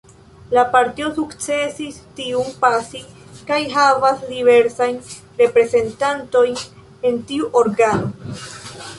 La partio sukcesis tiun pasi kaj havas diversajn reprezentantojn en tiu organo.